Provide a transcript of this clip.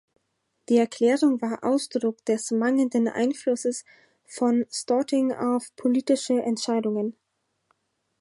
Die Erklärung war Ausdruck des mangelnden Einflusses von Storting auf politische Entscheidungen.